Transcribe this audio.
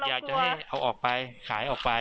อยากจะให้เอาออกไปขายออกไป